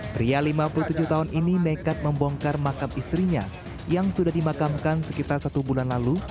pria lima puluh tujuh tahun ini nekat membongkar makam istrinya yang sudah dimakamkan sekitar satu bulan lalu